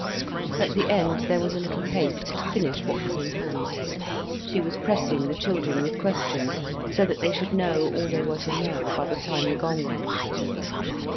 At the end there was a little haste, to finish what was in hand. She was pressing the children with questions, so that they should know all they were to know, by the time the gong went.